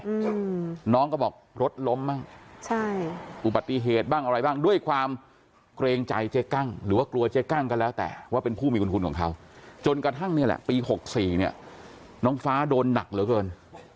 อืมน้องก็บอกรถล้มบ้างใช่อุบัติเหตุบ้างอะไรบ้างด้วยความเกรงใจเจ๊กั้งหรือว่ากลัวเจ๊กั้งก็แล้วแต่ว่าเป็นผู้มีบุญคุณของเขาจนกระทั่งเนี่ยแหละปีหกสี่เนี้ยน้องฟ้าโดนหนักเหลือเกิน